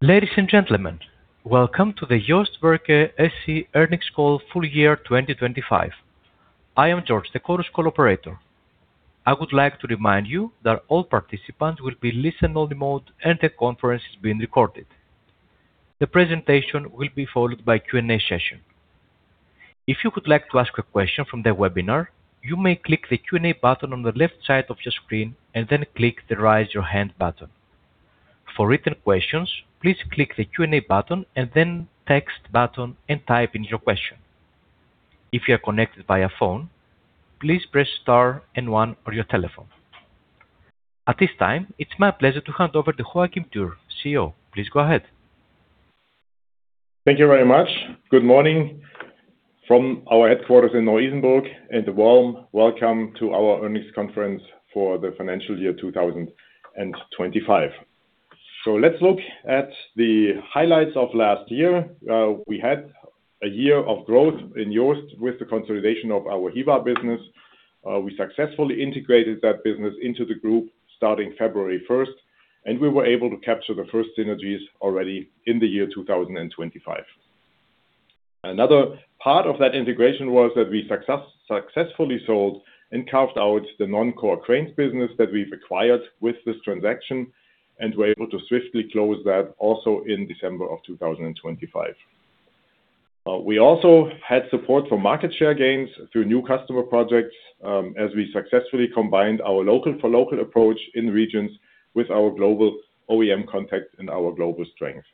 Ladies and gentlemen, welcome to the JOST Werke SE Earnings Call Full Year 2025. I am George, the call's operator. I would like to remind you that all participants will be in listen-only mode, and the conference is being recorded. The presentation will be followed by a Q&A session. If you would like to ask a question from the webinar, you may click the Q&A button on the left side of your screen and then click the Raise Your Hand button. For written questions, please click the Q&A button and then the Text button and type in your question. If you are connected via phone, please press star and one on your telephone. At this time, it's my pleasure to hand over to Joachim Dürr, CEO. Please go ahead. Thank you very much. Good morning from our headquarters in Neu-Isenburg, and a warm welcome to our earnings conference for the financial year 2025. Let's look at the highlights of last year. We had a year of growth in JOST with the consolidation of our Hyva business. We successfully integrated that business into the group starting February 1, and we were able to capture the first synergies already in the year 2025. Another part of that integration was that we successfully sold and carved out the non-core cranes business that we've acquired with this transaction and were able to swiftly close that also in December 2025. We also had support for market share gains through new customer projects, as we successfully combined our local-for-local approach in regions with our global OEM contacts and our global strength.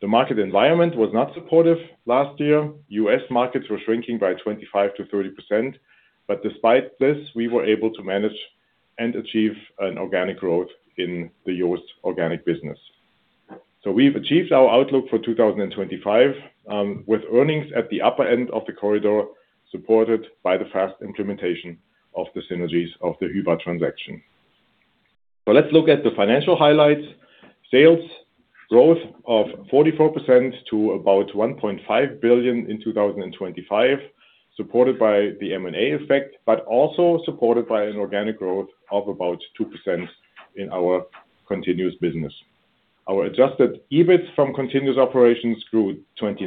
The market environment was not supportive last year. U.S. markets were shrinking by 25%-30%. Despite this, we were able to manage and achieve an organic growth in the JOST organic business. We've achieved our outlook for 2025, with earnings at the upper end of the corridor supported by the fast implementation of the synergies of the Hyva transaction. Let's look at the financial highlights. Sales growth of 44% to about 1.5 billion in 2025, supported by the M&A effect, but also supported by an organic growth of about 2% in our continuing business. Our Adjusted EBIT from continuing operations grew 29%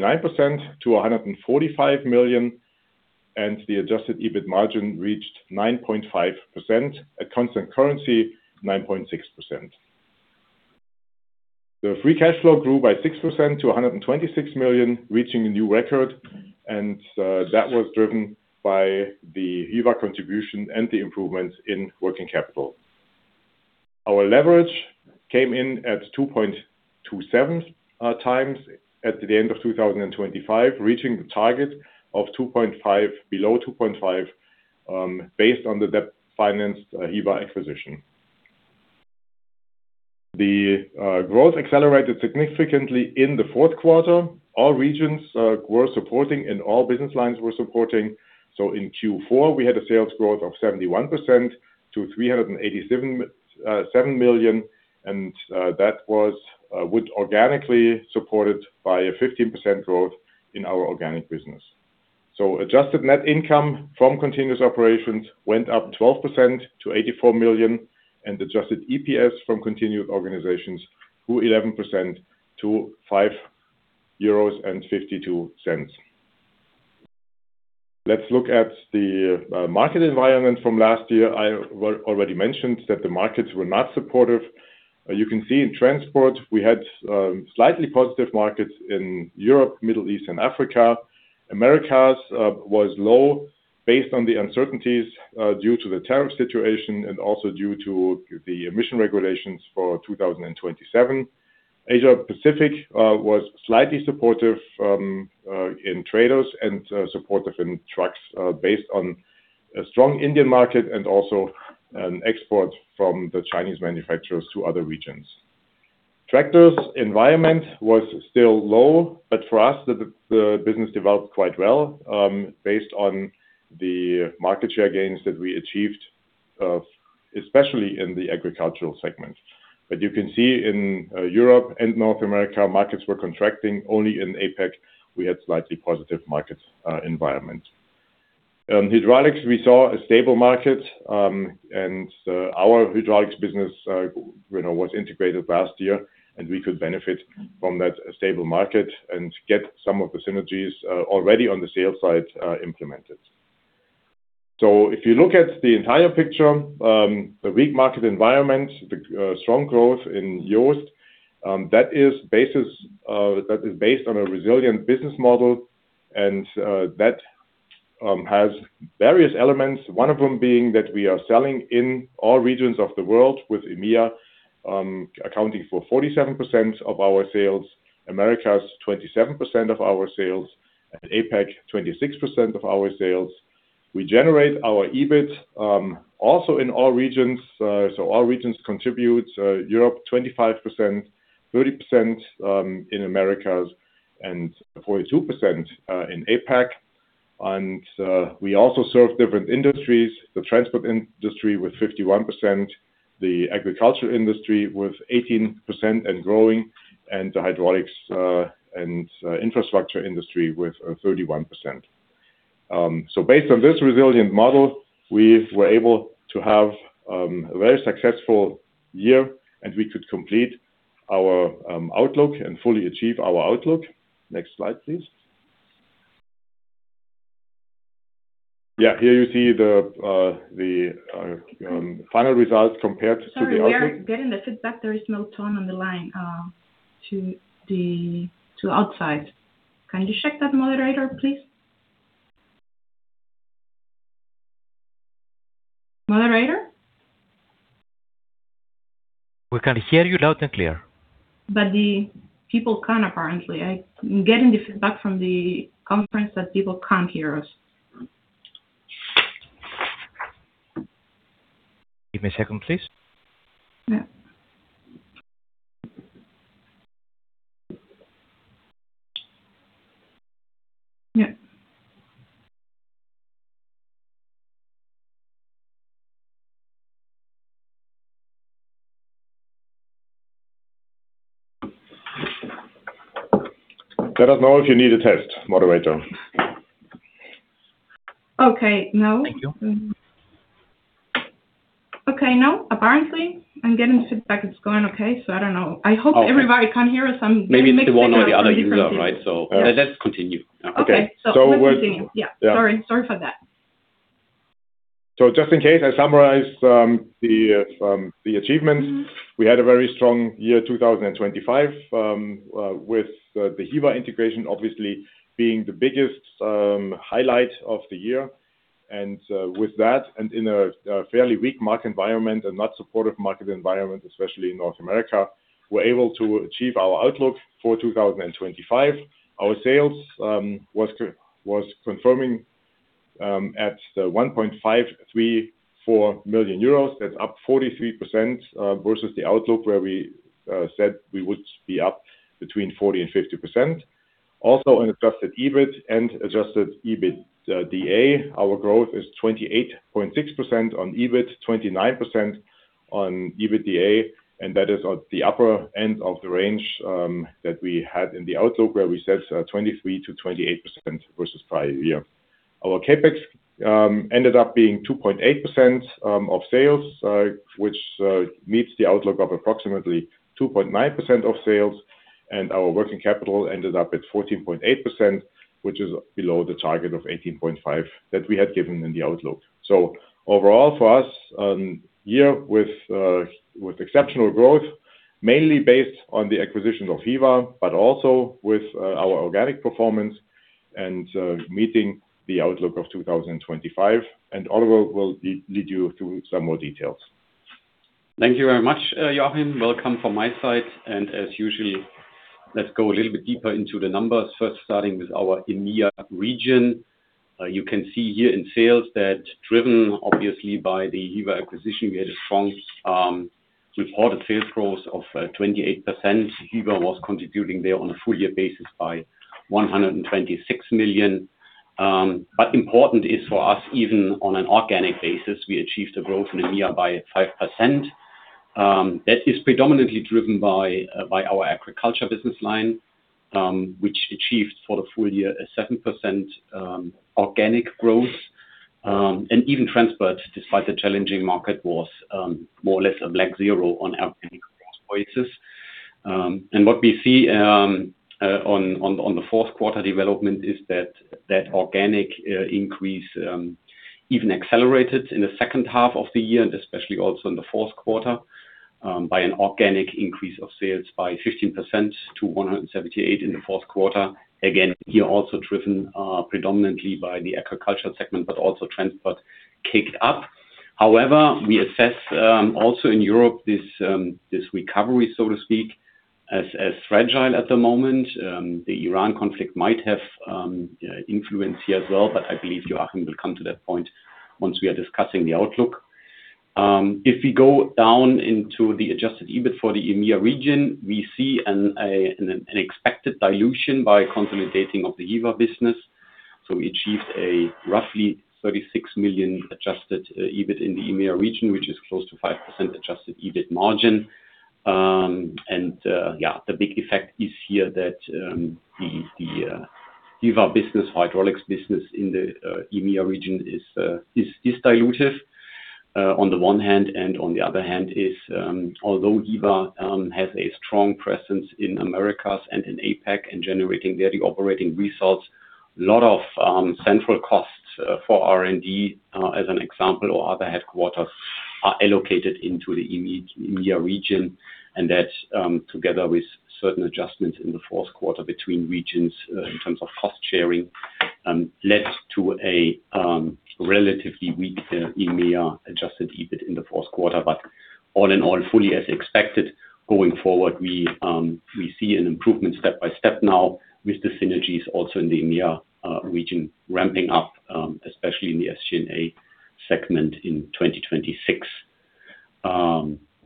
to 145 million, and the Adjusted EBIT margin reached 9.5%. At constant currency, 9.6%. The free cash flow grew by 6% to 126 million, reaching a new record, and that was driven by the Hyva contribution and the improvements in working capital. Our leverage came in at 2.27 times at the end of 2025, reaching the target of below 2.5, based on the debt-financed Hyva acquisition. The growth accelerated significantly in the fourth quarter. All regions were supporting and all business lines were supporting. In Q4, we had a sales growth of 71% to 387.7 million, and that was organically supported by a 15% growth in our organic business. Adjusted net income from continuing operations went up 12% to 84 million, and adjusted EPS from continuing operations grew 11% to 5.52 euros. Let's look at the market environment from last year. I already mentioned that the markets were not supportive. You can see in transport we had slightly positive markets in Europe, Middle East and Africa. Americas was low based on the uncertainties due to the tariff situation and also due to the emission regulations for 2027. Asia Pacific was slightly supportive in trailers and supportive in trucks based on a strong Indian market and also an export from the Chinese manufacturers to other regions. Tractors environment was still low, but for us, the business developed quite well based on the market share gains that we achieved especially in the agricultural segment. You can see in Europe and North America, markets were contracting. Only in APAC we had slightly positive markets environment. Hydraulics, we saw a stable market and our hydraulics business you know was integrated last year, and we could benefit from that stable market and get some of the synergies already on the sales side implemented. If you look at the entire picture, the weak market environment, the strong growth in JOST, that is based on a resilient business model and that has various elements, one of them being that we are selling in all regions of the world with EMEA accounting for 47% of our sales, Americas 27% of our sales, and APAC 26% of our sales. We generate our EBIT also in all regions. All regions contribute. Europe 25%, 30% in Americas, and 42% in APAC. We also serve different industries. The transport industry with 51%, the agricultural industry with 18% and growing, and the hydraulics and infrastructure industry with 31%. Based on this resilient model, we're able to have a very successful year, and we could complete our outlook and fully achieve our outlook. Next slide, please. Yeah. Here you see the final results compared to the outlook. Sorry, we are getting the feedback there is no tone on the line to outside. Can you check that, moderator, please? Moderator? We can hear you loud and clear. The people can't, apparently. I'm getting the feedback from the conference that people can't hear us. Give me a second, please. Yeah. Yeah. Let us know if you need a test, moderator. Okay. No. Thank you. Okay. No. Apparently, I'm getting feedback it's going okay. I don't know. I hope everybody can hear us. I'm getting mixed signals. Maybe it's the one or the other user, right? Let's continue. Okay. Okay. Let's continue. Yeah. Yeah. Sorry for that. Just in case, I summarize the achievements. Mm-hmm. We had a very strong year, 2025, with the Hyva integration obviously being the biggest highlight of the year. With that and in a fairly weak market environment and not supportive market environment, especially in North America, we're able to achieve our outlook for 2025. Our sales was confirming at 153.4 million euros. That's up 43% versus the outlook where we said we would be up between 40% and 50%. Also on Adjusted EBIT and Adjusted EBITDA, our growth is 28.6% on EBIT, 29% on EBITDA, and that is on the upper end of the range that we had in the outlook, where we said 23%-28% versus prior year. Our CapEx ended up being 2.8% of sales, which meets the outlook of approximately 2.9% of sales. Our working capital ended up at 14.8%, which is below the target of 18.5% that we had given in the outlook. Overall, for us, year with exceptional growth, mainly based on the acquisition of Hyva, but also with our organic performance and meeting the outlook of 2025. Oliver will lead you through some more details. Thank you very much, Joachim. Welcome from my side. As usually, let's go a little bit deeper into the numbers first, starting with our EMEIA region. You can see here in sales that driven obviously by the Hyva acquisition, we had a strong reported sales growth of 28%. Hyva was contributing there on a full year basis by 126 million. But important is for us, even on an organic basis, we achieved a growth in EMEIA by 5%. That is predominantly driven by our agriculture business line, which achieved for the full year a 7% organic growth. Even transport, despite the challenging market, was more or less a blank zero on organic growth basis. What we see on the fourth quarter development is that organic increase even accelerated in the second half of the year and especially also in the fourth quarter by an organic increase of sales by 15% to 178 in the fourth quarter. Again, here also driven predominantly by the agriculture segment, but also transport kicked up. However, we assess also in Europe this recovery, so to speak, as fragile at the moment. The Iran conflict might have influence here as well, but I believe Joachim will come to that point once we are discussing the outlook. If we go down into the Adjusted EBIT for the EMEIA region, we see an expected dilution by consolidating of the Hyva business. We achieved a roughly 36 million Adjusted EBIT in the EMEIA region, which is close to 5% Adjusted EBIT margin. Yeah, the big effect is here that the Hyva business, hydraulics business in the EMEIA region is dilutive on the one hand, and on the other hand, although Hyva has a strong presence in Americas and in APAC in generating there the operating results, a lot of central costs for R&D as an example, or other headquarters are allocated into the EMEIA region. That together with certain adjustments in the fourth quarter between regions in terms of cost sharing led to a relatively weak EMEIA Adjusted EBIT in the fourth quarter. All in all, fully as expected. Going forward, we see an improvement step by step now with the synergies also in the EMEIA region ramping up, especially in the SG&A segment in 2026.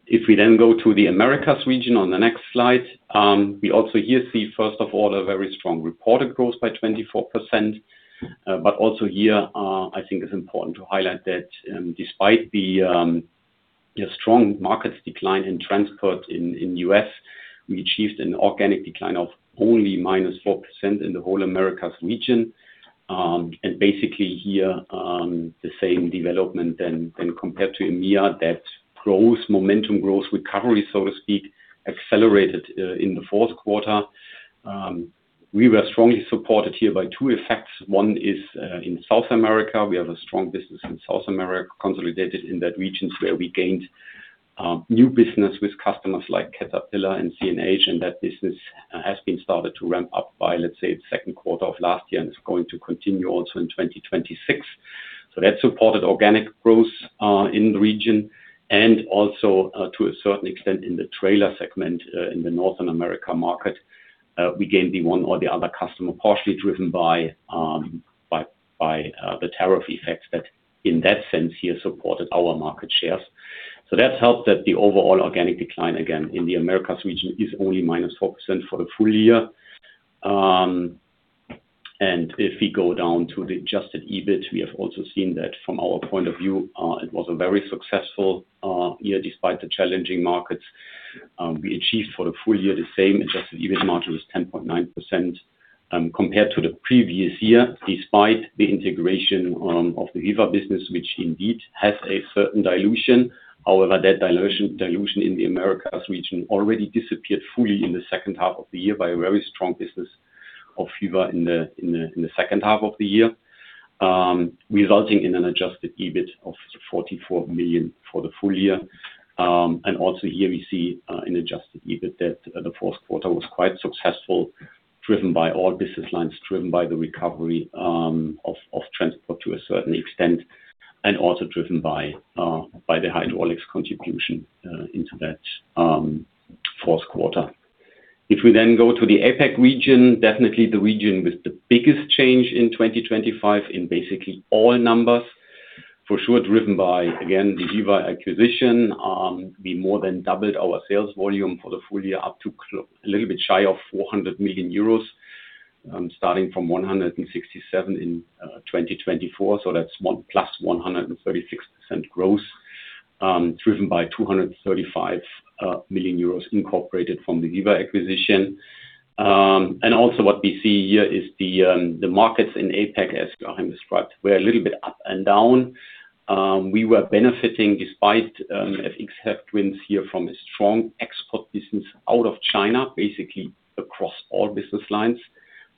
If we then go to the Americas region on the next slide, we also here see, first of all, a very strong reported growth by 24%. Also here, I think it's important to highlight that, despite the strong markets decline in transport in U.S., we achieved an organic decline of only -4% in the whole Americas region. Basically here, the same development then compared to EMEA, that growth momentum growth recovery, so to speak, accelerated in the fourth quarter. We were strongly supported here by two effects. One is in South America. We have a strong business in South America, consolidated in that region where we gained new business with customers like Caterpillar and CNH, and that business has been started to ramp up by, let's say, the second quarter of last year, and it's going to continue also in 2026. That supported organic growth in the region and also to a certain extent in the trailer segment in the North America market. We gained the one or the other customer, partially driven by the tariff effects that in that sense here supported our market shares. That's helped that the overall organic decline, again, in the Americas region is only -4% for the full year. If we go down to the Adjusted EBIT, we have also seen that from our point of view, it was a very successful year despite the challenging markets. We achieved for the full year the same Adjusted EBIT margin was 10.9%, compared to the previous year, despite the integration of the Hyva business, which indeed has a certain dilution. However, that dilution in the Americas region already disappeared fully in the second half of the year by a very strong business of Hyva in the second half of the year, resulting in an Adjusted EBIT of 44 million for the full year. Also here we see in Adjusted EBIT that the fourth quarter was quite successful, driven by all business lines, driven by the recovery of transport to a certain extent, and also driven by the hydraulics contribution into that fourth quarter. If we then go to the APAC region, definitely the region with the biggest change in 2025 in basically all numbers, for sure driven by again the Hyva acquisition. We more than doubled our sales volume for the full year up to a little bit shy of 400 million euros, starting from 167 million in 2024. That's 1 + 136% growth, driven by 235 million euros incorporated from the Hyva acquisition. What we see here is the markets in APAC, as Joachim described, were a little bit up and down. We were benefiting despite FX headwinds here from a strong export business out of China, basically across all business lines.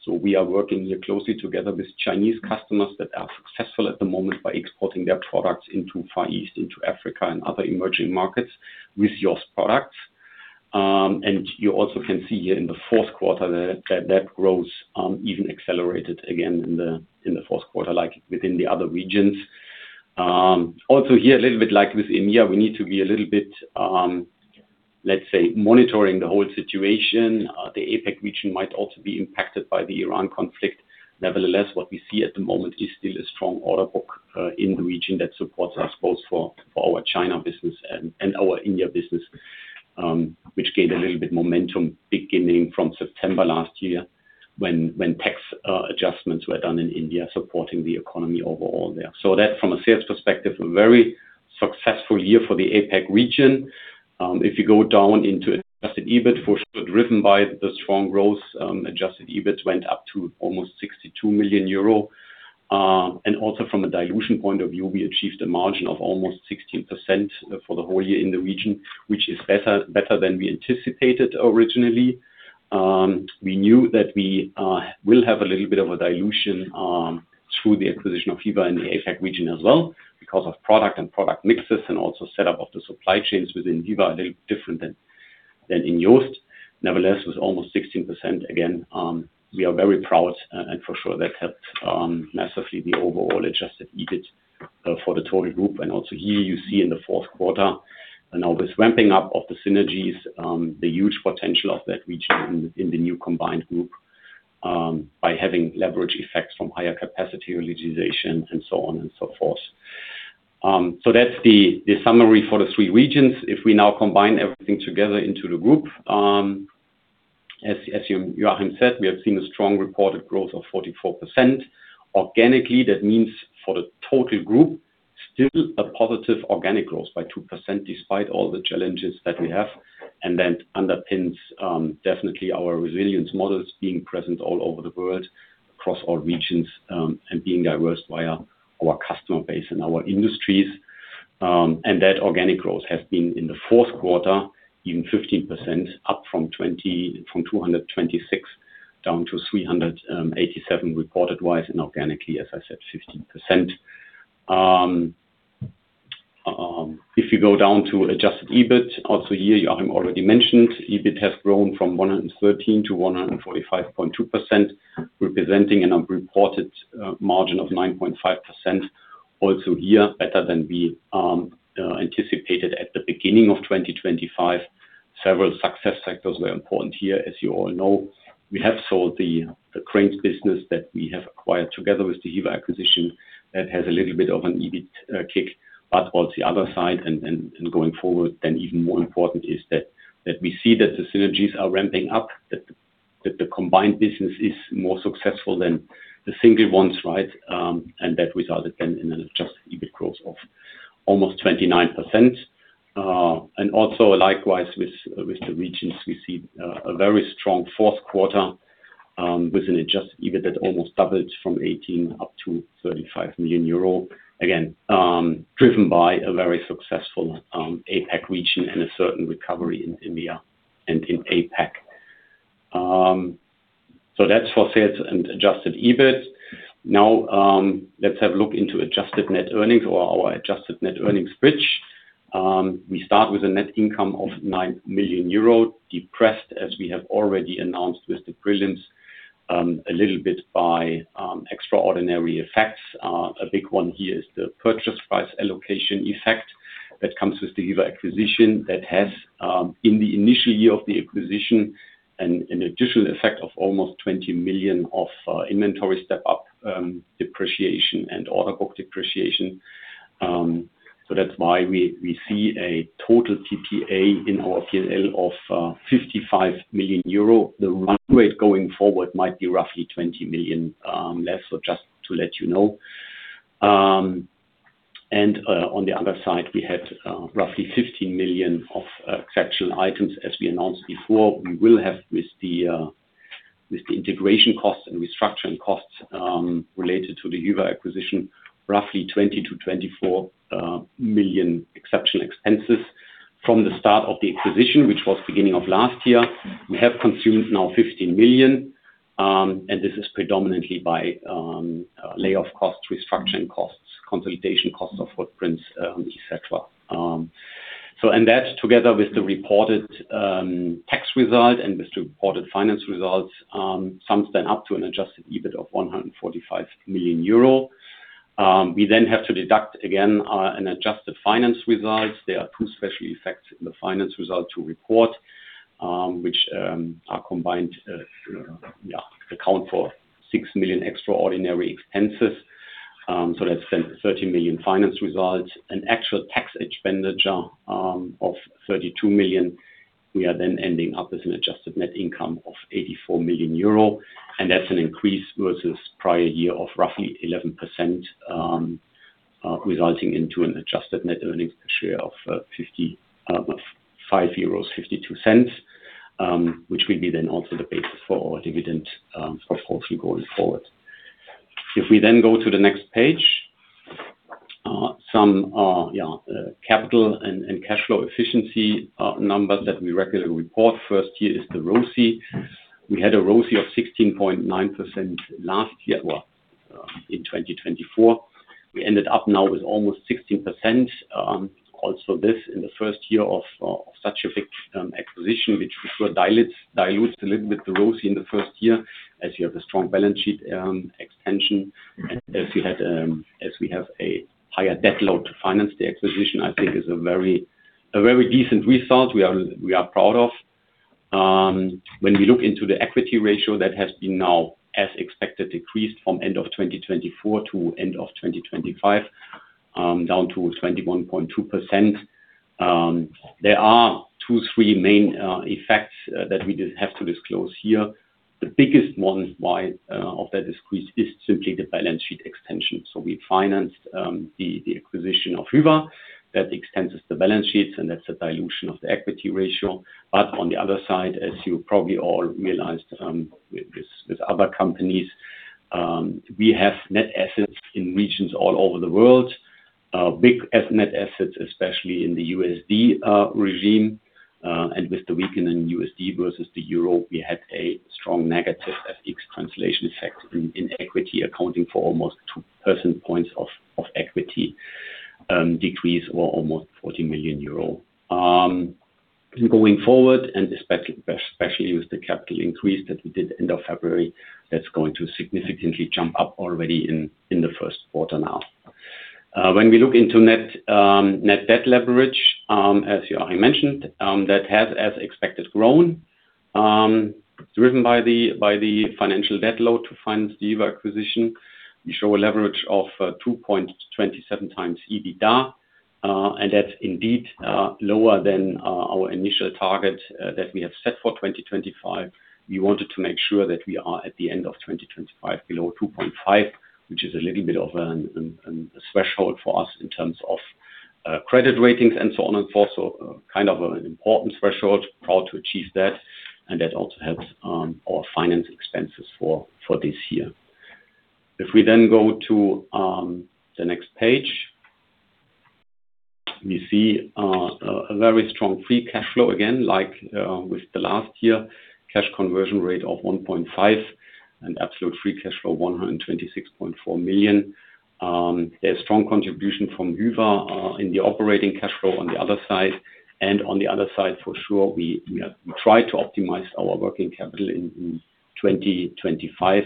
We are working here closely together with Chinese customers that are successful at the moment by exporting their products into Far East, into Africa and other emerging markets with JOST products. You also can see here in the fourth quarter that growth even accelerated again in the fourth quarter, like within the other regions. Also here a little bit like with India, we need to be a little bit, let's say, monitoring the whole situation. The APAC region might also be impacted by the Iran conflict. Nevertheless, what we see at the moment is still a strong order book in the region that supports us both for our China business and our India business, which gained a little bit momentum beginning from September last year when tax adjustments were done in India, supporting the economy overall there. That from a sales perspective, a very successful year for the APAC region. If you go down into Adjusted EBIT, for sure, driven by the strong growth, Adjusted EBIT went up to almost 62 million euro. Also from a dilution point of view, we achieved a margin of almost 16% for the whole year in the region, which is better than we anticipated originally. We knew that we will have a little bit of a dilution through the acquisition of Hyva in the APAC region as well because of product mixes and also set up of the supply chains within Hyva, a little different than in JOST. Nevertheless, with almost 16% again, we are very proud and for sure that helped massively the overall Adjusted EBIT for the total group. Also here you see in the fourth quarter, now with ramping up of the synergies, the huge potential of that region in the new combined group by having leverage effects from higher capacity utilization and so on and so forth. So that's the summary for the three regions. If we now combine everything together into the group, as Joachim said, we have seen a strong reported growth of 44%. Organically, that means for the total group, still a positive organic growth by 2% despite all the challenges that we have. That underpins definitely our resilience models being present all over the world, across all regions, and being diverse via our customer base and our industries. That organic growth has been in the fourth quarter, even 15% up from 226 million to 387 million reported-wise and organically, as I said, 15%. If you go down to Adjusted EBIT also here, Joachim already mentioned, EBIT has grown from 113 to 145.2, representing a reported margin of 9.5% also here better than we anticipated at the beginning of 2025. Several success factors were important here. As you all know, we have sold the cranes business that we have acquired together with the Hyva acquisition that has a little bit of an EBIT kick. But also, the other side and going forward, then even more important is that we see that the synergies are ramping up, that the combined business is more successful than the single ones, right? That resulted then in an Adjusted EBIT growth of almost 29%. Also likewise with the regions, we see a very strong fourth quarter with an Adjusted EBIT that almost doubled from 18 million to 35 million euro. Again, driven by a very successful APAC region and a certain recovery in EMEA and in APAC. That's for sales and Adjusted EBIT. Now, let's have a look into adjusted net earnings or our adjusted net earnings bridge. We start with a net income of 9 million euro, depressed, as we have already announced with the prelims a little bit by extraordinary effects. A big one here is the purchase price allocation effect that comes with the Hyva acquisition that has in the initial year of the acquisition an additional effect of almost 20 million of inventory step-up, depreciation and order book depreciation. That's why we see a total TPA in our P&L of 55 million euro. The runway going forward might be roughly 20 million less. Just to let you know. On the other side, we had roughly 15 million of exceptional items, as we announced before. We will have with the integration costs and restructuring costs related to the Hyva acquisition, roughly 20 million-24 million exceptional expenses. From the start of the acquisition, which was beginning of last year, we have consumed now 15 million, and this is predominantly by layoff costs, restructuring costs, consolidation costs of footprints, et cetera. That together with the reported tax result and with the reported finance results sums then up to an Adjusted EBIT of 145 million euro. We then have to deduct again an adjusted finance results. There are two special effects in the finance results to report, which combined account for 6 million extraordinary expenses. That's then 30 million finance results and an actual tax expenditure of 32 million. We are then ending up with an adjusted net income of 84 million euro, and that's an increase versus prior year of roughly 11%, resulting into an adjusted net earnings per share of 5.52 euros, which will be then also the basis for our dividend, of course, going forward. If we then go to the next page, some capital and cash flow efficiency numbers that we regularly report. First here is the ROCE. We had a ROCE of 16.9% last year. Well, in 2024. We ended up now with almost 16%. Also this in the first year of such a big acquisition, which will dilute a little bit the ROCE in the first year, as you have a strong balance sheet extension. As we had, as we have a higher debt load to finance the acquisition, I think is a very decent result we are proud of. When we look into the equity ratio, that has been now, as expected, decreased from end of 2024 to end of 2025, down to 21.2%. There are two, three main effects that we do have to disclose here. The biggest one is why of that decrease is simply the balance sheet extension. We financed the acquisition of Hyva. That extends the balance sheets, and that's a dilution of the equity ratio. On the other side, as you probably all realized, with other companies, we have net assets in regions all over the world. Bigger net assets, especially in the USD regime. With the weakening USD versus the euro, we had a strong negative FX translation effect in equity, accounting for almost 2 percentage points of equity decrease or almost 40 million euro. Going forward, especially with the capital increase that we did end of February, that's going to significantly jump up already in the first quarter now. When we look into net debt leverage, as I mentioned, that has, as expected, grown, driven by the financial debt load to fund the Hyva acquisition. We show a leverage of 2.27x EBITDA, and that's indeed lower than our initial target that we have set for 2025. We wanted to make sure that we are at the end of 2025 below 2.5, which is a little bit of a threshold for us in terms of credit ratings and so on and so forth. Kind of an important threshold. Proud to achieve that, and that also helps our finance expenses for this year. If we then go to the next page, we see a very strong free cash flow again, like with the last year, cash conversion rate of 1.5 and absolute free cash flow 126.4 million. A strong contribution from Hyva in the operating cash flow on the other side. On the other side, for sure, we have tried to optimize our working capital in 2025.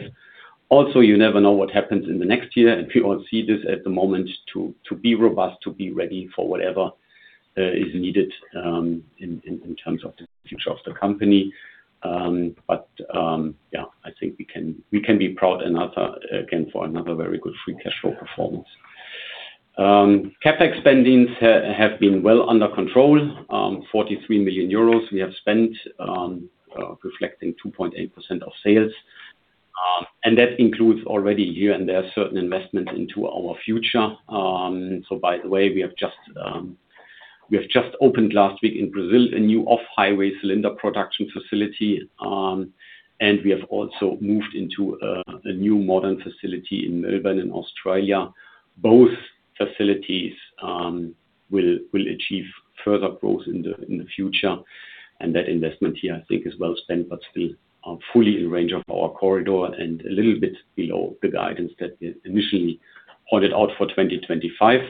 You never know what happens in the next year, and we all see this at the moment to be robust, to be ready for whatever is needed in terms of the future of the company. Yeah, I think we can be proud again for another very good free cash flow performance. CapEx spendings have been well under control. 43 million euros we have spent, reflecting 2.8% of sales. That includes already here and there certain investments into our future. By the way, we have just opened last week in Brazil a new off-highway cylinder production facility. We have also moved into a new modern facility in Melbourne, in Australia. Both facilities will achieve further growth in the future, and that investment here I think is well spent, but still fully in range of our corridor and a little bit below the guidance that we initially pointed out for 2025.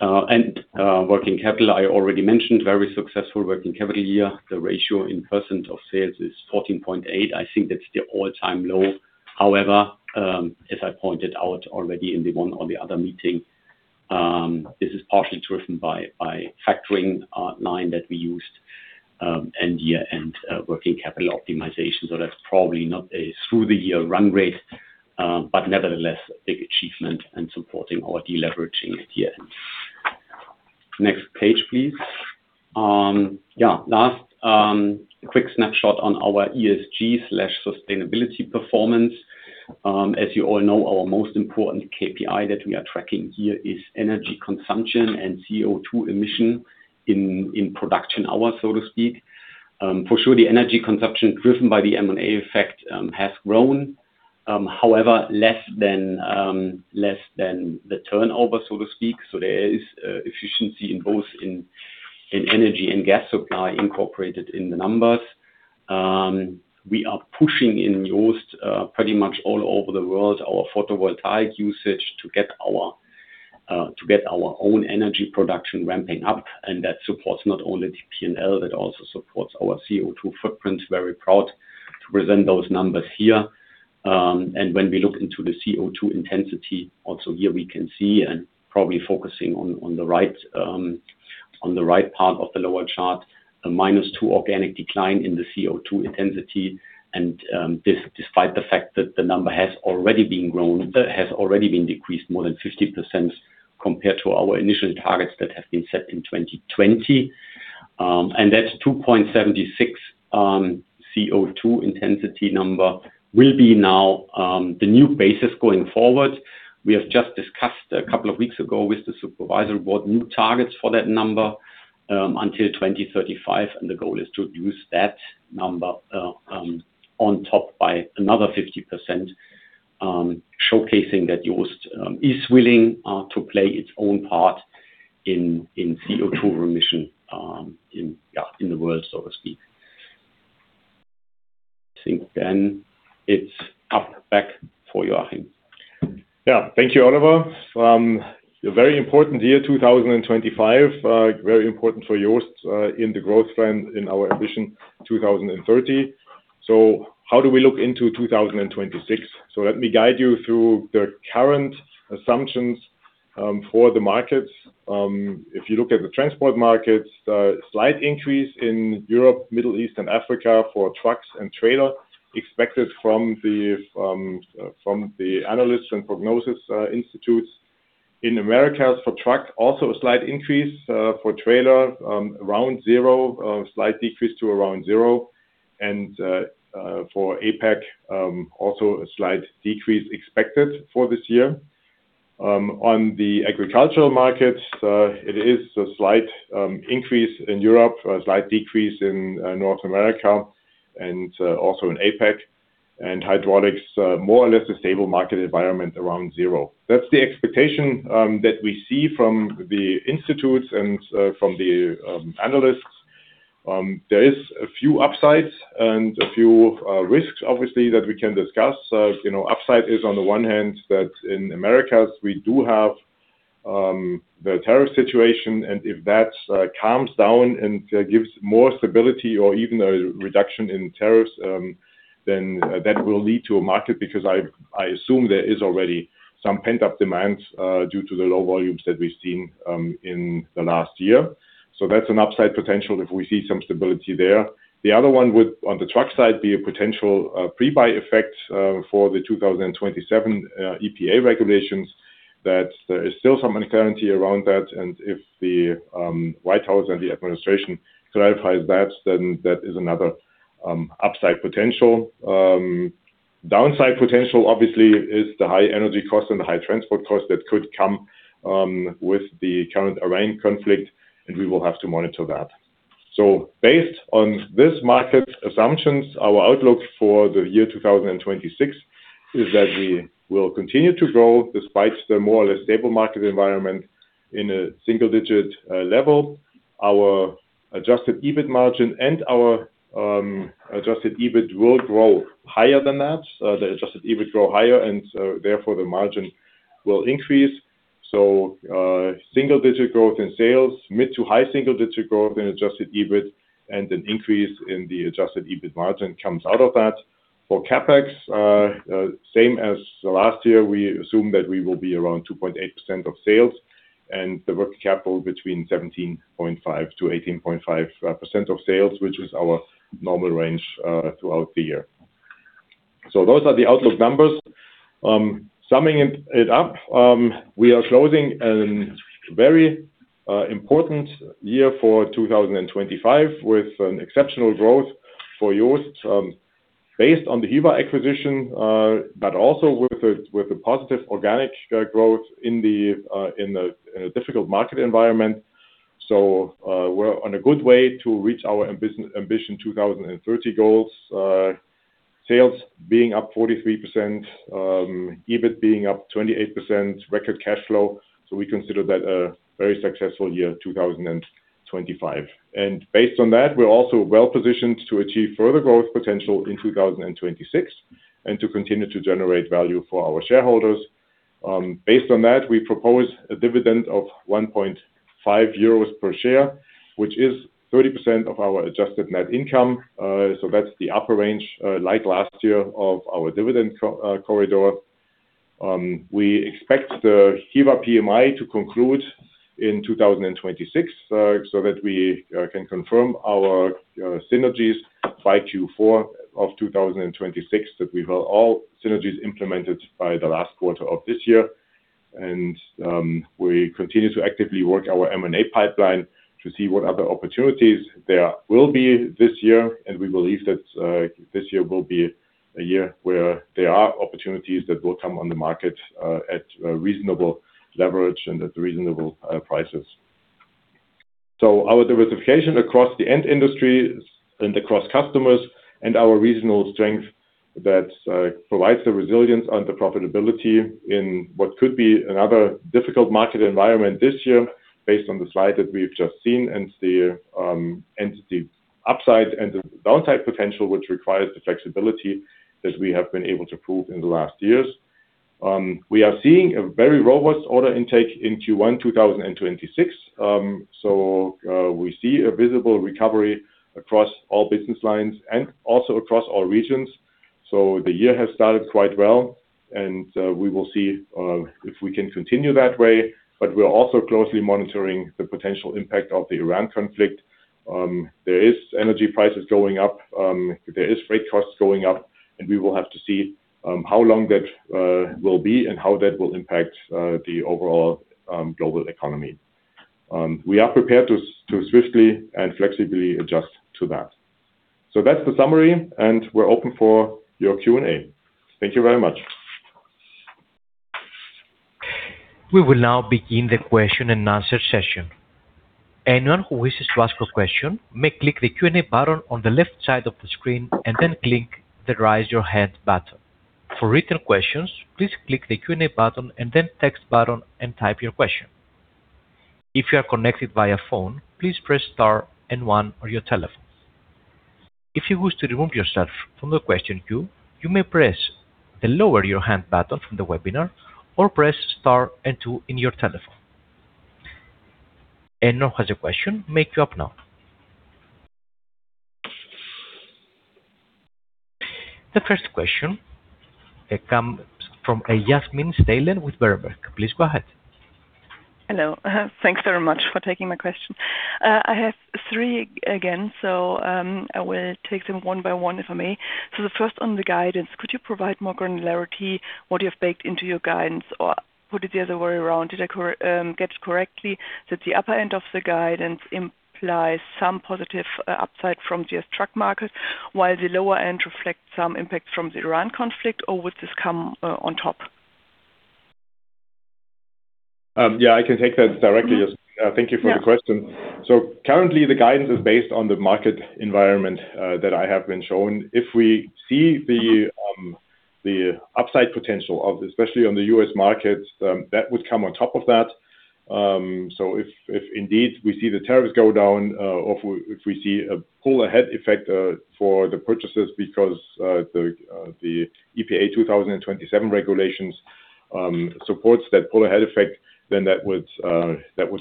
Working capital, I already mentioned, very successful working capital year. The ratio in percent of sales is 14.8%. I think that's the all-time low. However, as I pointed out already in the one or the other meeting, this is partially driven by factoring online that we used and year-end working capital optimization. That's probably not a through-the-year run rate, but nevertheless a big achievement and supporting our deleveraging year-end. Next page, please. Last quick snapshot on our ESG/sustainability performance. As you all know, our most important KPI that we are tracking here is energy consumption and CO2 emission in production hours, so to speak. For sure the energy consumption driven by the M&A effect has grown, however, less than the turnover, so to speak. There is efficiency in both energy and gas supply incorporated in the numbers. We are pushing in JOST pretty much all over the world, our photovoltaic usage to get our own energy production ramping up, and that supports not only the P&L, that also supports our CO2 footprint. Very proud to present those numbers here. When we look into the CO2 intensity, also here we can see, probably focusing on the right part of the lower chart, a -2% organic decline in the CO2 intensity. Despite the fact that the number has already been decreased more than 50% compared to our initial targets that have been set in 2020. That's 2.76 CO2 intensity number will be now the new basis going forward. We have just discussed a couple of weeks ago with the supervisory board new targets for that number until 2035, and the goal is to reduce that number on top by another 50%, showcasing that JOST is willing to play its own part in CO2 emission in the world, so to speak. I think then it's back to Joachim. Yeah. Thank you, Oliver. A very important year, 2025. Very important for JOST in the growth plan in our Ambition 2030. How do we look into 2026? Let me guide you through the current assumptions for the markets. If you look at the transport markets, a slight increase in Europe, Middle East and Africa for trucks and trailer expected from the analysts and prognosis institutes. In Americas for truck, also a slight increase. For trailer, around zero, a slight decrease to around zero. For APAC, also a slight decrease expected for this year. On the agricultural markets, it is a slight increase in Europe, a slight decrease in North America and also in APAC. Hydraulics, more or less a stable market environment around zero. That's the expectation that we see from the institutes and from the analysts. There is a few upsides and a few risks obviously that we can discuss. You know, upside is on the one hand that in Americas we do have the tariff situation, and if that calms down and gives more stability or even a reduction in tariffs, then that will lead to a market, because I assume there is already some pent-up demand due to the low volumes that we've seen in the last year. That's an upside potential if we see some stability there. The other one would, on the truck side, be a potential pre-buy effect for the 2027 EPA regulations, that there is still some uncertainty around that. If the White House and the administration clarifies that, then that is another upside potential. Downside potential obviously is the high energy cost and the high transport cost that could come with the current Iran conflict, and we will have to monitor that. Based on this market assumptions, our outlook for the year 2026 is that we will continue to grow despite the more or less stable market environment in a single-digit level. Our Adjusted EBIT margin and our Adjusted EBIT will grow higher than that. The Adjusted EBIT grow higher and therefore the margin will increase. Single digit growth in sales, mid to high single digit growth in Adjusted EBIT and an increase in the Adjusted EBIT margin comes out of that. For CapEx, same as the last year, we assume that we will be around 2.8% of sales and the working capital between 17.5%-18.5% of sales, which is our normal range throughout the year. Those are the outlook numbers. Summing it up, we are closing a very important year for 2025 with exceptional growth for JOST, based on the Hyva acquisition, but also with the positive organic growth in a difficult market environment. We're on a good way to reach our AMBITION 2030 goals. Sales being up 43%, EBIT being up 28%, record cash flow. We consider that a very successful year, 2025. Based on that, we're also well-positioned to achieve further growth potential in 2026 and to continue to generate value for our shareholders. Based on that, we propose a dividend of 1.5 euros per share, which is 30% of our adjusted net income. That's the upper range, like last year, of our dividend corridor. We expect the Hyva PMI to conclude in 2026, so that we can confirm our synergies by Q4 of 2026, that we will have all synergies implemented by the last quarter of this year. We continue to actively work our M&A pipeline to see what other opportunities there will be this year. We believe that this year will be a year where there are opportunities that will come on the market at a reasonable leverage and at reasonable prices. Our diversification across the end industries and across customers and our regional strength that provides the resilience and the profitability in what could be another difficult market environment this year based on the slide that we've just seen and the upside and the downside potential, which requires the flexibility that we have been able to prove in the last years. We are seeing a very robust order intake in Q1 2026. We see a visible recovery across all business lines and also across all regions. The year has started quite well, and we will see if we can continue that way. We're also closely monitoring the potential impact of the Iran conflict. There is energy prices going up. There is freight costs going up, and we will have to see how long that will be and how that will impact the overall global economy. We are prepared to swiftly and flexibly adjust to that. That's the summary, and we're open for your Q&A. Thank you very much. We will now begin the question and answer session. Anyone who wishes to ask a question may click the Q&A button on the left side of the screen and then click the Raise Your Hand button. For written questions, please click the Q&A button and then Text button and type your question. If you are connected via phone, please press star and one on your telephone. If you wish to remove yourself from the question queue, you may press the Lower Your Hand button from the webinar or press star and two in your telephone. Anyone has a question may queue up now. The first question comes from Yasmin Steilen with Berenberg. Please go ahead. Hello. Thanks very much for taking my question. I have three again, so I will take them one by one, if I may. The first on the guidance. Could you provide more granularity what you have baked into your guidance? Or put it the other way around, did I get it correctly that the upper end of the guidance implies some positive upside from the truck market, while the lower end reflects some impact from the Iran conflict? Or would this come on top? Yeah, I can take that directly, Yasmin. Thank you for the question. Yeah. Currently, the guidance is based on the market environment that I have been shown. If we see the upside potential of this, especially on the U.S. markets, that would come on top of that. If indeed we see the tariffs go down, or if we see a pull-ahead effect for the purchasers because the EPA 2027 regulations supports that pull-ahead effect, then that would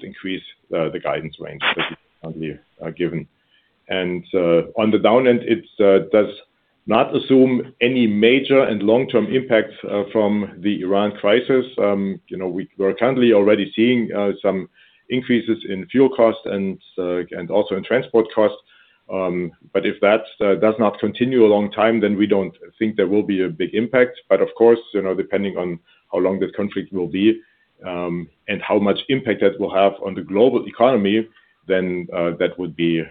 increase the guidance range that we've currently given. On the down end, it does not assume any major and long-term impacts from the Iran crisis. You know, we're currently already seeing some increases in fuel costs and also in transport costs. If that does not continue a long time, then we don't think there will be a big impact. Of course, you know, depending on how long this conflict will be, and how much impact that will have on the global economy, then that would be,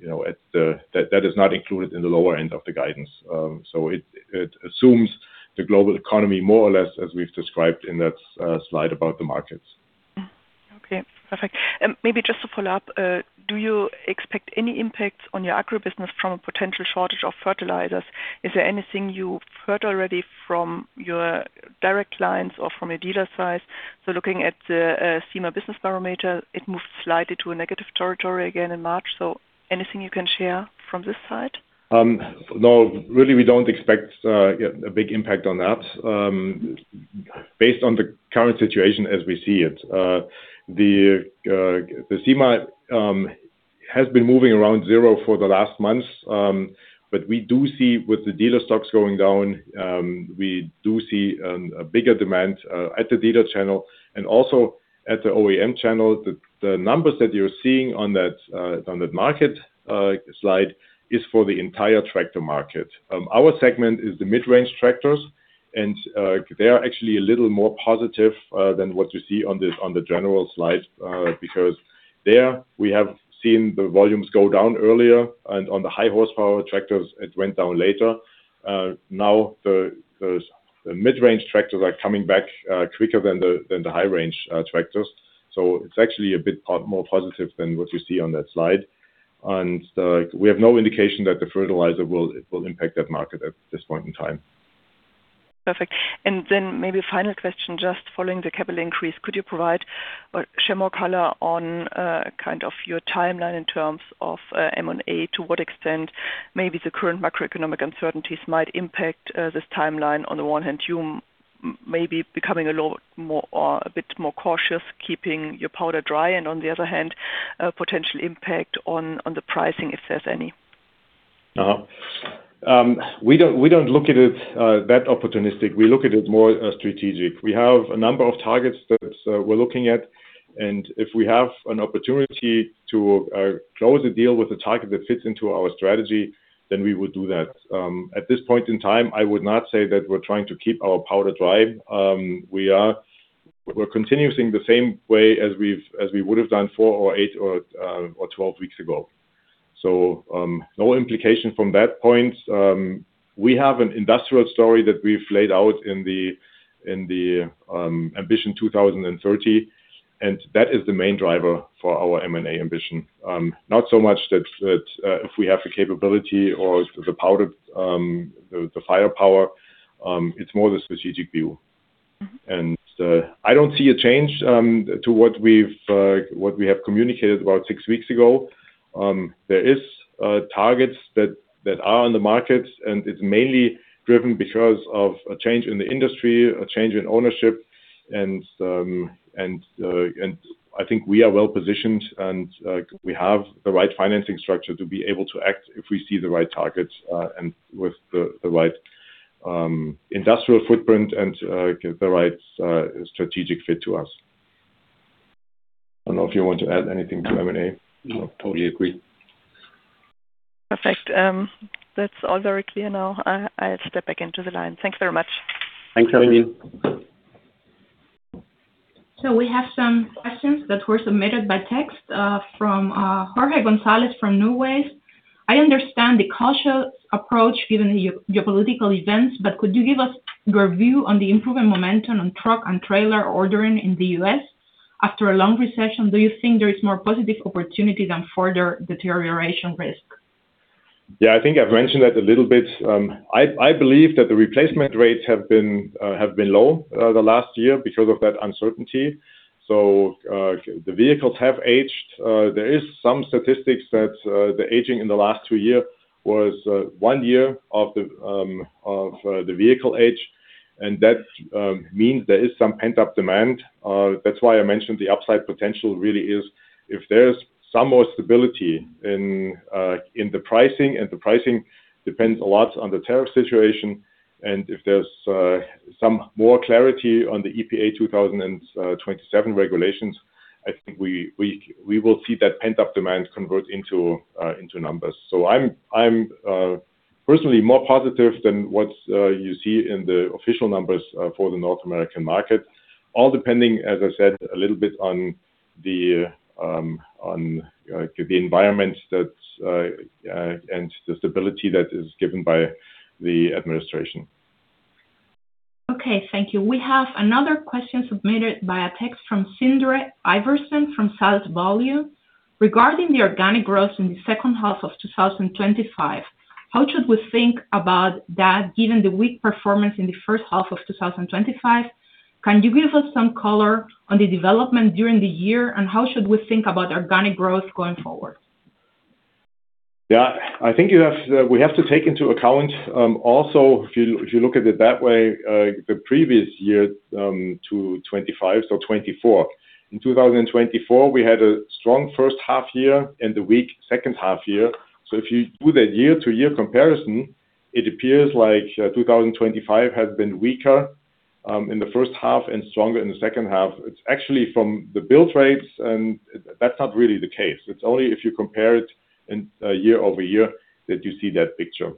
you know. That is not included in the lower end of the guidance. It assumes the global economy more or less as we've described in that slide about the markets. Okay. Perfect. Maybe just to follow up, do you expect any impact on your agri business from a potential shortage of fertilizers? Is there anything you've heard already from your direct clients or from a dealer side? Looking at the CEMA business barometer, it moved slightly to a negative territory again in March. Anything you can share from this side? No, really we don't expect a big impact on that, based on the current situation as we see it. The CEMA has been moving around zero for the last months. We do see with the dealer stocks going down, we do see a bigger demand at the dealer channel and also at the OEM channel. The numbers that you're seeing on that market slide is for the entire tractor market. Our segment is the mid-range tractors. They are actually a little more positive than what you see on this general slide, because there we have seen the volumes go down earlier and on the high horsepower tractors, it went down later. Now the mid-range tractors are coming back quicker than the high range tractors. It's actually a bit more positive than what you see on that slide. We have no indication that the fertilizer will impact that market at this point in time. Perfect. Maybe final question, just following the capital increase. Could you provide or share more color on kind of your timeline in terms of M&A? To what extent maybe the current macroeconomic uncertainties might impact this timeline. On the one hand, you maybe becoming a little more or a bit more cautious keeping your powder dry, and on the other hand, a potential impact on the pricing, if there's any. We don't look at it that opportunistic. We look at it more strategic. We have a number of targets that we're looking at, and if we have an opportunity to close a deal with a target that fits into our strategy, then we would do that. At this point in time, I would not say that we're trying to keep our powder dry. We're continuing the same way as we would have done four or eight or 12 weeks ago. No implication from that point. We have an industrial story that we've laid out in the AMBITION 2030, and that is the main driver for our M&A ambition. Not so much that if we have the capability or the power, the firepower. It's more the strategic view. Mm-hmm. I don't see a change to what we have communicated about six weeks ago. There is targets that are on the market, and it's mainly driven because of a change in the industry, a change in ownership, and I think we are well-positioned and we have the right financing structure to be able to act if we see the right targets, and with the right industrial footprint and the right strategic fit to us. I don't know if you want to add anything to M&A. No. Totally agree. Perfect. That's all very clear now. I'll step back into the line. Thanks very much. Thanks, Yasmin Steilen. Thanks. We have some questions that were submitted by text, from Jorge Gonzalez from New Ways. I understand the cautious approach given the geopolitical events, but could you give us your view on the improvement momentum on truck and trailer ordering in the U.S. after a long recession? Do you think there is more positive opportunity than further deterioration risk? Yeah, I think I've mentioned that a little bit. I believe that the replacement rates have been low the last year because of that uncertainty. The vehicles have aged. There is some statistics that the aging in the last two year was one year of the vehicle age. That means there is some pent-up demand. That's why I mentioned the upside potential really is if there's some more stability in the pricing, and the pricing depends a lot on the tariff situation, and if there's some more clarity on the EPA 2027 regulations, I think we will see that pent-up demand convert into numbers. I'm personally more positive than what you see in the official numbers for the North American market. All depending, as I said, a little bit on the environment that's and the stability that is given by the administration. Okay. Thank you. We have another question submitted via text from Sindre Iversen from Salt Volume. Regarding the organic growth in the second half of 2025, how should we think about that given the weak performance in the first half of 2025? Can you give us some color on the development during the year, and how should we think about organic growth going forward? Yeah. I think you have, we have to take into account, also, if you look at it that way, the previous year, to 2025, so 2024. In 2024, we had a strong first half year and a weak second half year. If you do that year-over-year comparison, it appears like, 2025 has been weaker, in the first half and stronger in the second half. It's actually from the build rates, and that's not really the case. It's only if you compare it in, year-over-year that you see that picture.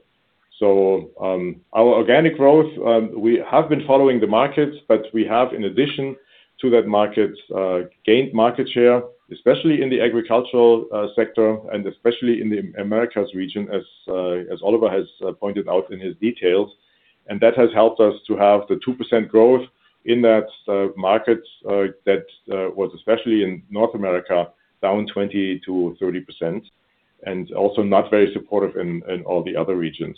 Our organic growth, we have been following the markets, but we have, in addition to that market, gained market share, especially in the agricultural sector and especially in the Americas region, as Oliver has pointed out in his details. That has helped us to have the 2% growth in that market that was especially in North America, down 20%-30%, and also not very supportive in all the other regions.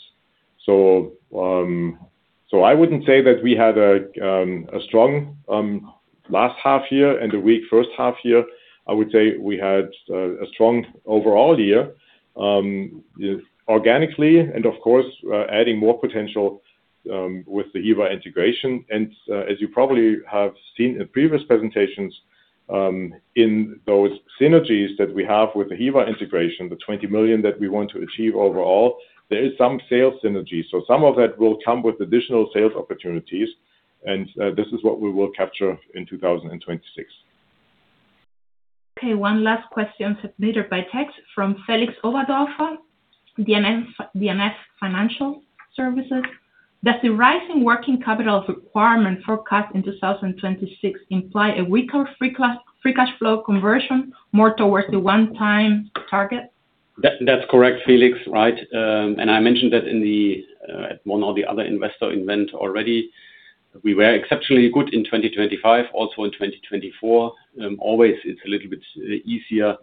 I wouldn't say that we had a strong last half year and a weak first half year. I would say we had a strong overall year, organically and of course, adding more potential, with the Hyva integration. As you probably have seen in previous presentations, in those synergies that we have with the Hyva integration, the 20 million that we want to achieve overall, there is some sales synergy. Some of that will come with additional sales opportunities, and this is what we will capture in 2026. Okay, one last question submitted by text from Felix Overdiek, DMS Financial Services. Does the rising working capital requirement forecast in 2026 imply a weaker free cash flow conversion more towards the one time target? That's correct, Felix, right. I mentioned that in the at one or the other investor event already. We were exceptionally good in 2025, also in 2024. Always it's a little bit easier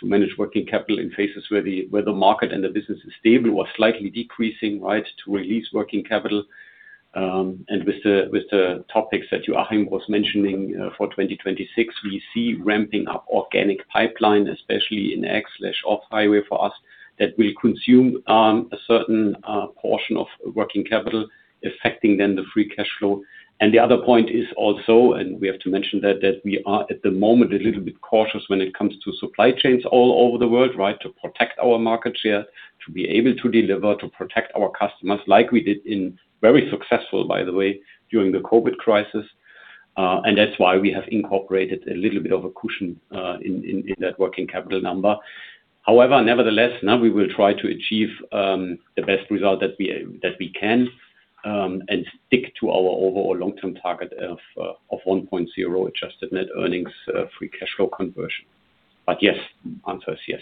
to manage working capital in phases where the market and the business is stable or slightly decreasing, right, to release working capital. With the topics that Joachim was mentioning, for 2026, we see ramping up organic pipeline, especially in off-highway for us, that will consume a certain portion of working capital, affecting then the free cash flow. The other point is also, we have to mention that we are at the moment a little bit cautious when it comes to supply chains all over the world, right? To protect our market share, to be able to deliver, to protect our customers like we did it very successfully, by the way, during the COVID crisis. That's why we have incorporated a little bit of a cushion in that working capital number. However, nevertheless, now we will try to achieve the best result that we can and stick to our overall long-term target of 1.0 adjusted net earnings free cash flow conversion. Yes, answer is yes.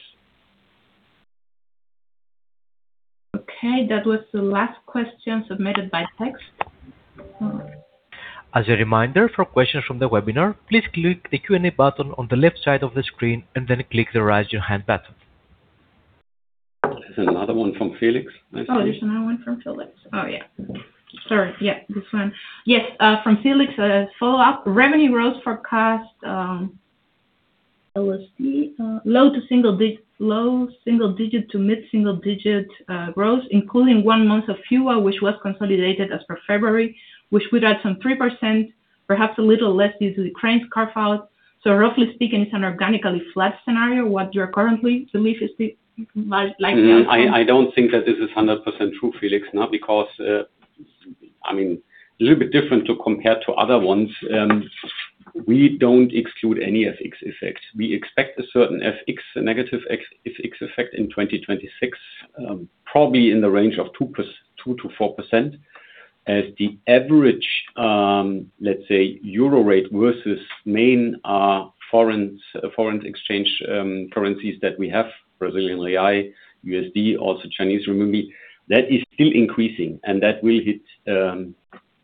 Okay, that was the last question submitted by text. As a reminder for questions from the webinar, please click the Q&A button on the left side of the screen and then click the Raise Your Hand button. There's another one from Felix. Oh, there's another one from Felix. Oh, yeah. Sorry. Yeah, this one. Yes, from Felix, a follow-up. Revenue growth forecast, LSD, low single-digit to mid-single-digit growth, including one month of fewer, which was consolidated as per February, which would add some 3%, perhaps a little less due to the cranes carve-out. Roughly speaking, it's an organically flat scenario, what you're currently I don't think that this is 100% true, Felix. Not because, a little bit different to compare to other ones. We don't exclude any FX effects. We expect a certain FX, negative ex-FX effect in 2026, probably in the range of 2%-4%. As the average, let's say euro rate versus main, foreign exchange, currencies that we have, Brazilian real, USD, also Chinese renminbi, that is still increasing, and that will hit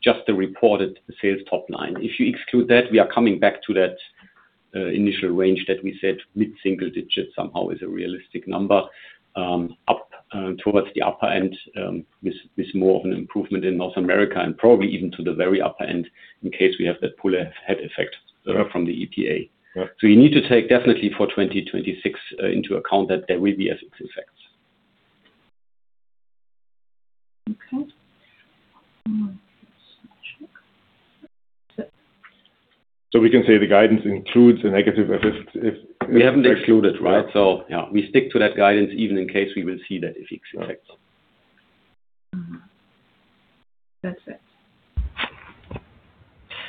just the reported sales top line. If you exclude that, we are coming back to that initial range that we said mid-single digit somehow is a realistic number, up towards the upper end, with more of an improvement in North America and probably even to the very upper end in case we have that pull-ahead effect from the EPA. You need to take definitely for 2026 into account that there will be FX effects. Okay. Let me just check. We can say the guidance includes a negative FX if- We haven't excluded, right? Yeah, we stick to that guidance even in case we will see that FX effect. Mm-hmm. That's it.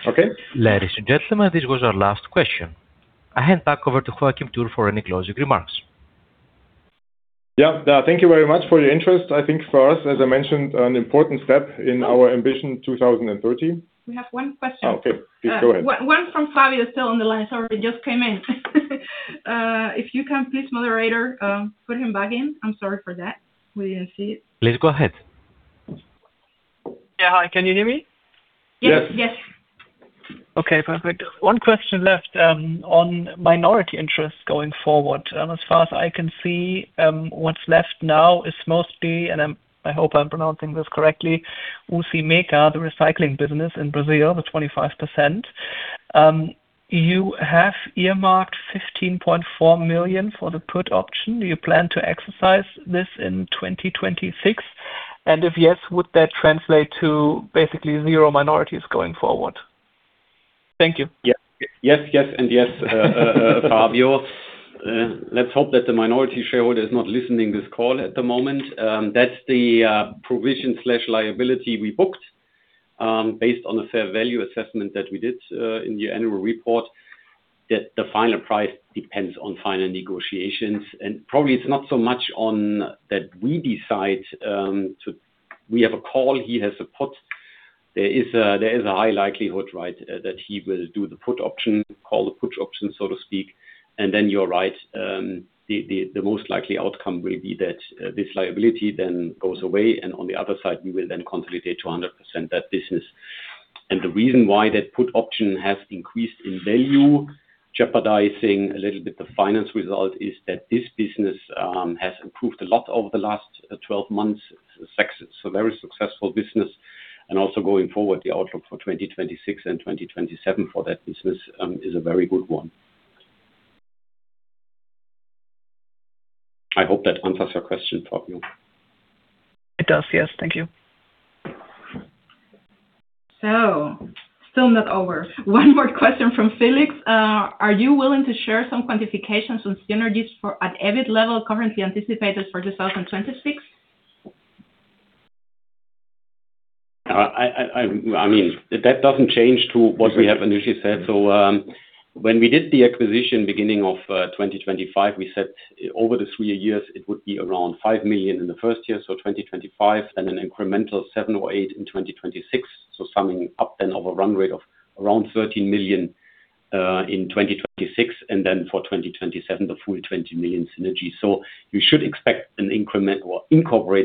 Okay. Ladies and gentlemen, this was our last question. I hand back over to Joachim Dürr for any closing remarks. Yeah. Thank you very much for your interest. I think for us, as I mentioned, an important step in our Ambition 2030. We have one question. Okay. Please go ahead. One, one from Fabio still on the line. Sorry, it just came in. If you can please, moderator, put him back in. I'm sorry for that. We didn't see it. Please go ahead. Yeah. Hi, can you hear me? Yes. Yes. Okay, perfect. One question left, on minority interest going forward. As far as I can see, what's left now is mostly, and I'm, I hope I'm pronouncing this correctly, Usimeca, the recycling business in Brazil, the 25%. You have earmarked 15.4 million for the put option. Do you plan to exercise this in 2026? If yes, would that translate to basically zero minorities going forward? Thank you. Fabio. Let's hope that the minority shareholder is not listening to this call at the moment. That's the provision/liability we booked based on a fair value assessment that we did in the annual report, that the final price depends on final negotiations. Probably it's not so much on that we decide. We have a call, he has a put. There is a high likelihood, right, that he will do the put option, call the put option, so to speak. Then you're right, the most likely outcome will be that this liability then goes away, and on the other side, we will then consolidate to 100% that business. The reason why that put option has increased in value, jeopardizing a little bit the finance result, is that this business has improved a lot over the last 12 months. So very successful business. Also going forward, the outlook for 2026 and 2027 for that business is a very good one. I hope that answers your question, Fabio. It does. Yes. Thank you. Still not over. One more question from Felix. Are you willing to share some quantifications on synergies for at EBIT level currently anticipated for 2026? I mean, that doesn't change to what we have initially said. When we did the acquisition beginning of 2025, we said over the three years, it would be around 5 million in the first year, 2025, and an incremental 7 million or 8 million in 2026. Summing up to a run rate of around 13 million in 2026, and for 2027, the full 20 million synergy. You should expect an incremental 7 million-8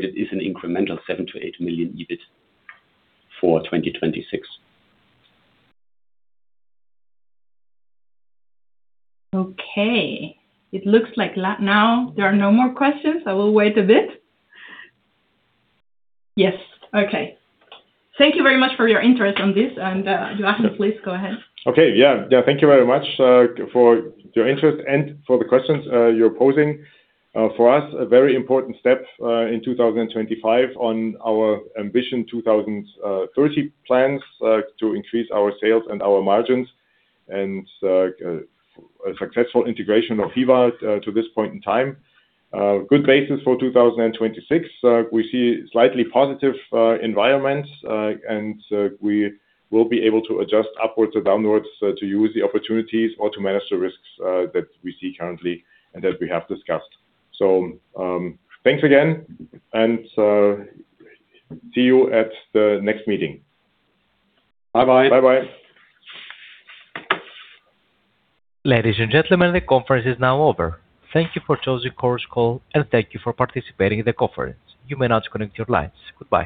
million EBIT for 2026. Okay. It looks like now there are no more questions. I will wait a bit. Yes. Okay. Thank you very much for your interest on this. Joachim, please go ahead. Thank you very much for your interest and for the questions you're posing. For us, this is a very important step in 2025 on our Ambition 2030 plans to increase our sales and our margins, and a successful integration of Hyva to this point in time. Good basis for 2026. We see slightly positive environments, and we will be able to adjust upwards or downwards to use the opportunities or to manage the risks that we see currently and that we have discussed. Thanks again, and see you at the next meeting. Bye bye. Bye bye. Ladies and gentlemen, the conference is now over. Thank you for choosing Chorus Call, and thank you for participating in the conference. You may now disconnect your lines. Goodbye.